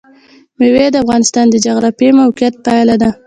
مېوې د افغانستان د جغرافیایي موقیعت پایله ده.